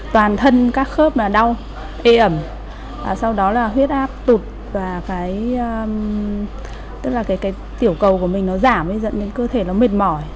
toàn thân các khớp đau ê ẩm sau đó là huyết áp tụt và tiểu cầu của mình giảm dẫn đến cơ thể mệt mỏi